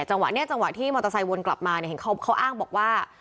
ใช่ค่ะเนี่ยจังหวะที่มอเตอร์ไซค์วนกลับมาเขาอ้างบอกว่า